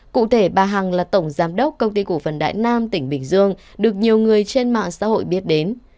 cụ thể bà hằng là tổng giám đốc công ty cổ phần đại nam tỉnh bình dương được nhiều người trên mạng xã hội biết đến